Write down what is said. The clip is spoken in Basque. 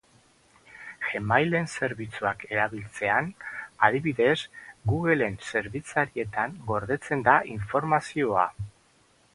Gmail-en zerbitzuak erabiltzean, adibidez, Google-en zerbitzarietan gordetzen da informazioa.